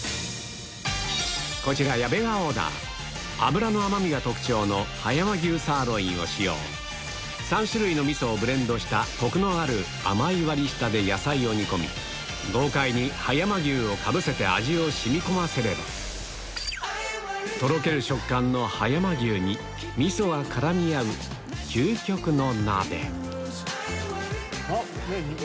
こちら矢部がオーダー脂の甘みが特徴の３種類の味噌をブレンドしたコクのある甘い割り下で野菜を煮込み豪快に葉山牛をかぶせて味を染み込ませればとろける食感の葉山牛に味噌が絡み合う究極の鍋あ！